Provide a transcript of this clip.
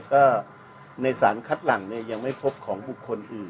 ก็ในสารคัดหลังเนี่ยยังไม่พบของบุคคลอื่น